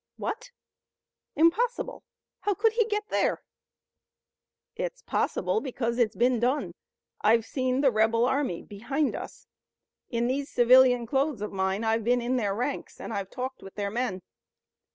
"What! Impossible! How could he get there?" "It's possible, because it's been done I've seen the rebel army behind us. In these civilian clothes of mine, I've been in their ranks, and I've talked with their men.